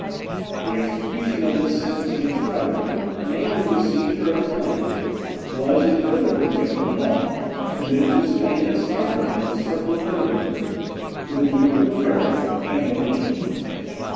The execution of this sentence against Frederick, namely the seizure of his lands, was, in further contempt of law, committed to Spain as Sovereign of the circle of Burgundy, to the Duke of Bavaria, and the League.